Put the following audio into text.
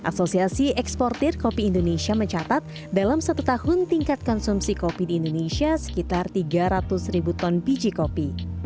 asosiasi eksportir kopi indonesia mencatat dalam satu tahun tingkat konsumsi kopi di indonesia sekitar tiga ratus ribu ton biji kopi